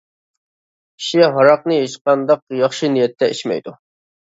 كىشى ھاراقنى ھېچقانداق ياخشى نىيەتتە ئىچمەيدۇ.